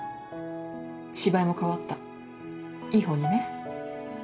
芝居も変わったいいほうにね。